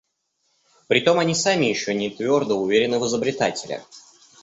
Притом они сами еще не твердо уверены в изобретателе.